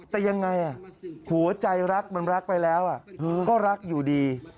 แต่ยังไงหัวใจรักมันรักไปแล้วก็รักอยู่ดี